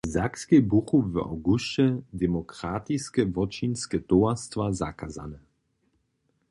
W Sakskej buchu w awgusće demokratiske wótčinske towarstwa zakazane.